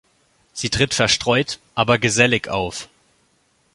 Sie tritt verstreut, aber gesellig auf.